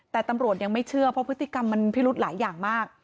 แต่ตำรวจยังไม่เชื่อเพราะพฤติกรรมมันพิรุธหลายอย่างมาก